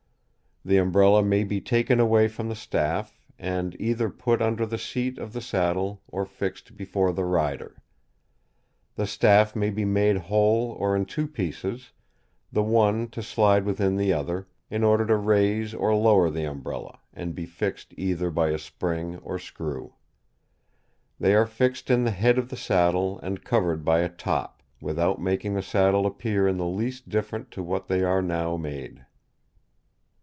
The umbrella may be taken away from the staff; and either put under the seat of the saddle, or fix'd before the rider. The staff may be made whole or in two pieces, the one to slide within the other, in order to raise or lower the umbrella, and be fix'd either by a spring or screw. They are fix'd in the head of the saddle and cover'd by a top, without making the saddle appear in the least different to what they are now made."